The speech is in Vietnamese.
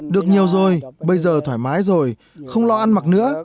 được nhiều rồi bây giờ thoải mái rồi không lo ăn mặc nữa